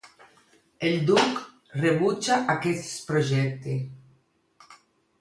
El duc rebutja aquest projecte.